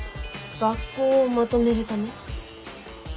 学校をまとめるため？